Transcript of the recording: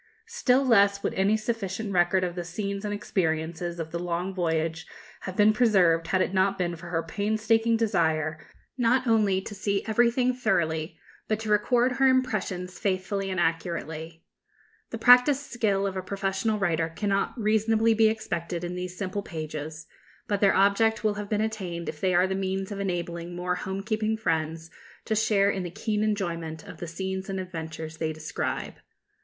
Still less would any sufficient record of the scenes and experiences of the long voyage have been preserved had it not been for her painstaking desire not only to see everything thoroughly, but to record her impressions faithfully and accurately. The practised skill of a professional writer cannot reasonably be expected in these simple pages, but their object will have been attained if they are the means of enabling more home keeping friends to share in the keen enjoyment of the scenes and adventures they describe.